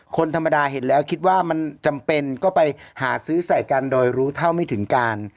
คนธรรมดาเห็นแล้วคิดว่ามันจำเป็นก็ไปหาซื้อใส่กันโดยรู้เท่าไม่ถึงการ